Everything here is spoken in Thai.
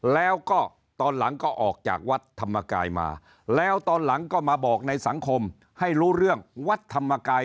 แล้วก็ตอนหลังก็ออกจากวัดธรรมกายมาแล้วตอนหลังก็มาบอกในสังคมให้รู้เรื่องวัดธรรมกาย